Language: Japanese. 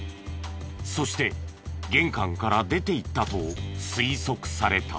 そして玄関から出て行ったと推測された。